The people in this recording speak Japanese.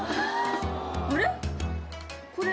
あれ？